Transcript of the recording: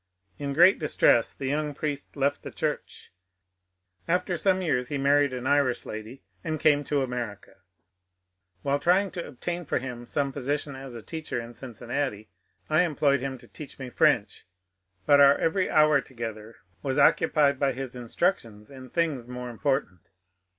In great distress the young priest left the church. After some years he married an Irish lady, and came to America. While trying to obtain for him some position as a teacher in Cincinnati, I employed him to teach me French, but our every hour together was occupied by his instruc tions in things more important.